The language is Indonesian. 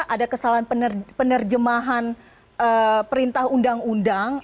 ada kesalahan penerjemahan perintah undang undang